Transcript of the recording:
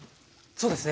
そうですね。